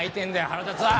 腹立つわ！